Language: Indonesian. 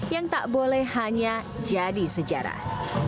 yang tak boleh hanya jadi sejarah